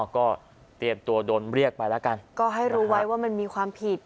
ก็เตรียมตัวโดนเรียกไปแล้วกันก็ให้รู้ไว้ว่ามันมีความผิด